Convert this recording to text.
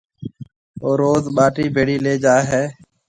او زور ٻاٽِي ڀيڙِي لي جائي هيَ۔